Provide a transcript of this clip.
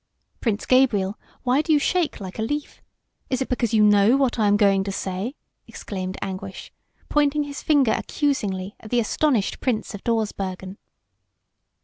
"Prince Gabriel, why do you shake like a leaf? Is it because you know what I am going to say?" exclaimed Anguish, pointing his finger accusingly at the astonished Prince of Dawsbergen.